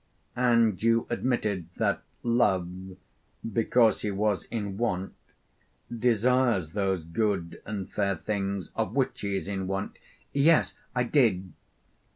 'And you admitted that Love, because he was in want, desires those good and fair things of which he is in want?' 'Yes, I did.'